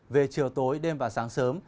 về chiều tối đêm và sáng sớm